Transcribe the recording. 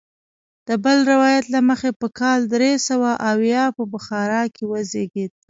د بل روایت له مخې په کال درې سوه اویا په بخارا کې وزیږېد.